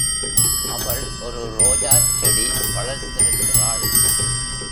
அவள் ஒரு ரோஜாச் செடி வளர்த்திருக்கிறாள்.